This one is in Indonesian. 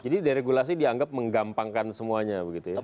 jadi deregulasi dianggap menggampangkan semuanya